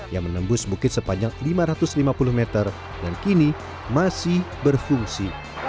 yang menembus bukit sepanjang lima ratus lima puluh meter dan kini masih berfungsi